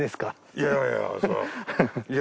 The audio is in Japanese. いやいやそりゃ